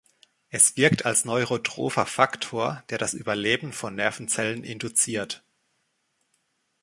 Es wirkt als neurotropher Faktor, der das Überleben von Nervenzellen induziert.